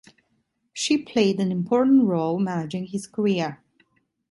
She played an important role managing his career.